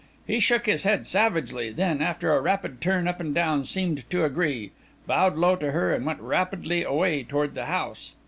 He shook his head savagely, then, after a rapid turn up and down, seemed to agree, bowed low to her, and went rapidly away toward the house.